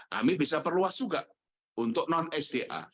kami bisa perluas juga untuk non sda